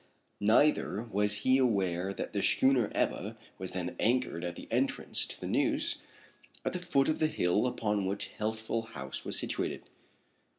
Neither was he aware that the schooner Ebba was then anchored at the entrance to the Neuse, at the foot of the hill upon which Healthful House was situated.